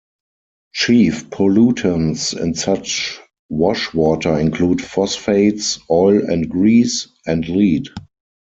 Chief pollutants in such wash-water include phosphates; oil and grease; and lead.